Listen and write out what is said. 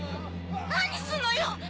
何すんのよ！